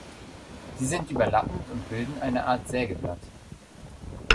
Sie sind überlappend und bilden eine Art „Sägeblatt“.